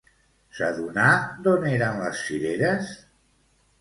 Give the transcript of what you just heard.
S'adonà d'on eren les cireres?